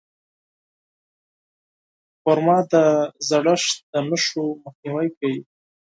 خرما د زړښت د نښو مخنیوی کوي.